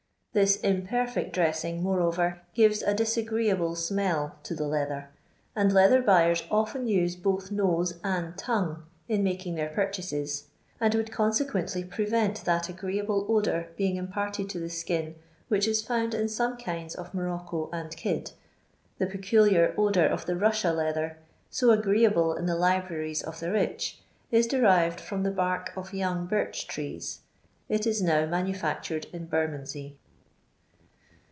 This imperfect dressing, moreover, gives a dis grecable smell to the leather — and leather buyers often use both nose and tongue in making their purchases — and would consequently prevent that agreeable odour being imparted to the skin which is found in some kinds of morocco and kid. The peculiar odour of the Russia leather, so agreeable in the libmries of the rich, is derived from the bark of young birch trees. It is now manufiic tured in Bermondsey.